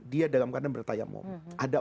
dia dalam keadaan bertayamum ada